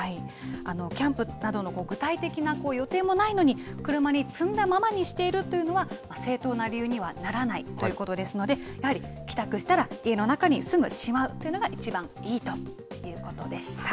キャンプなどの具体的な予定もないのに、車に積んだままにしているというのは、正当な理由にはならないということですので、やはり帰宅したら、家の中にすぐしまうっていうのが一番いいということでした。